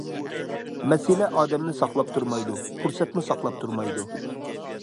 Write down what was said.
مەسىلە ئادەمنى ساقلاپ تۇرمايدۇ، پۇرسەتمۇ ساقلاپ تۇرمايدۇ.